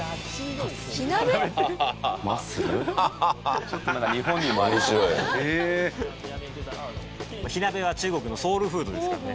火鍋は中国のソウルフードですからね。